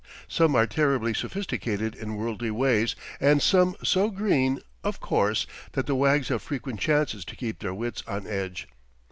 Some are terribly sophisticated in worldly ways and some so green, of course, that the wags have frequent chances to keep their wits on edge.